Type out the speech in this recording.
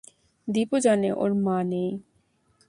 দীপু জানে ওর মা নেই।